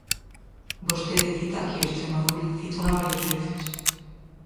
Vostede cita aquí Estremadura, citouna varias veces.